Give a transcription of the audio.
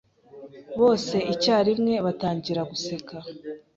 Bose icyarimwe batangira guseka.